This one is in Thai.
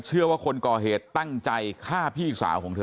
เชื่อว่าคนก่อเหตุตั้งใจฆ่าพี่สาวของเธอ